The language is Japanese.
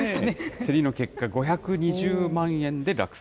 競りの結果、５２０万円で落札。